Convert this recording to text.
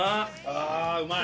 ああうまい！